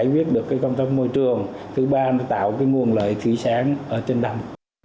mét khối nhưng trong năm hai nghìn một mươi năm dự án đã tạo ra một nguồn lợi thúy sáng ở trên đầm